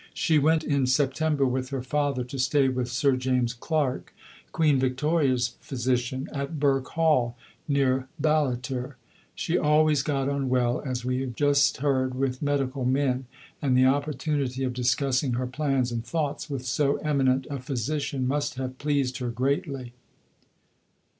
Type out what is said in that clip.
She went in September with her father to stay with Sir James Clark, Queen Victoria's physician, at Birk Hall, near Ballater. She always got on well, as we have just heard, with medical men, and the opportunity of discussing her plans and thoughts with so eminent a physician must have pleased her greatly.